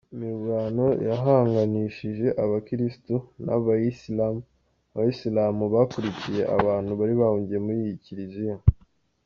Imirwano yahanganishije Abakirisitu n’Abayisilamu, Abayisilamu bakurikiye abantu bari bahungiye muri iyi kiliziya.